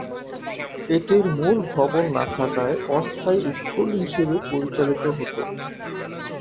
এটির মূল ভবন না থাকায় অস্থায়ী স্কুল হিসেবে পরিচালিত হতো।